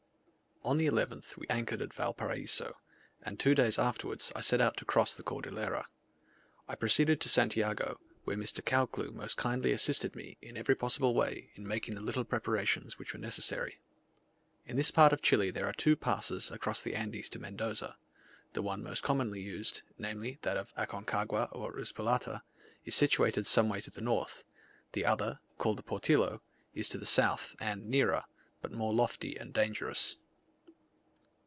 On the 11th we anchored at Valparaiso, and two days afterwards I set out to cross the Cordillera. I proceeded to Santiago, where Mr. Caldcleugh most kindly assisted me in every possible way in making the little preparations which were necessary. In this part of Chile there are two passes across the Andes to Mendoza: the one most commonly used, namely, that of Aconcagua or Uspallata is situated some way to the north; the other, called the Portillo, is to the south, and nearer, but more lofty and dangerous.